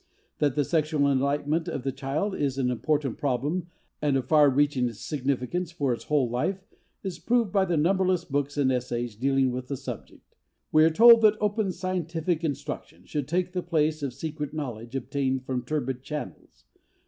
That the sexual enlightenment of the child is an important problem and of far reaching significance for its whole life is proved in numberless books and essays dealing with the subject. We are told that open scientific instruction should take the place of secret knowledge obtained from turbid channels.